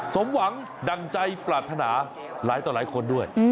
สมหวังดั่งใจปรารถนาหลายต่อหลายคนด้วย